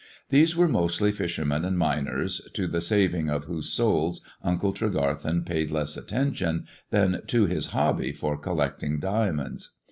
These wer mostly fishermen and miners, to the saving of whose soul Uncle Tregarthen paid less attention than to his hobby fo collecting diamonds.